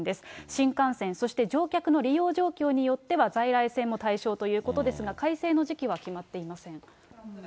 新幹線、そして乗客の利用状況によっては、在来線も対象ということですが、改正の時期は決まっていません。